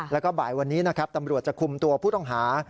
แล้วก็บ่ายวันนี้นะครับตำรวจจะคุมตัวผู้ต้องหา